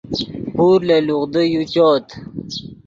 پور لے لوغدو یو چؤت